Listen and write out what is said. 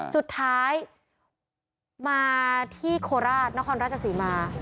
สุดท้ายมาที่โคราชนครราชศรีมา